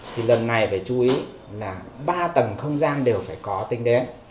thì lần này phải chú ý là ba tầng không gian đều phải có tính đến